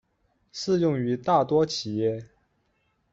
适用于大多企业。